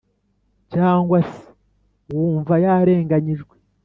cyangwa se wumva yarenganyijwe